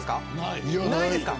いないですか。